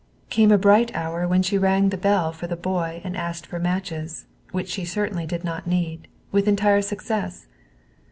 Came a bright hour when she rang the bell for the boy and asked for matches, which she certainly did not need, with entire success.